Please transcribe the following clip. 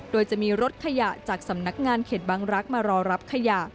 โดยจะมีรถขยะจากสำนักงานเขตบางรักษ์มารอรับขยะ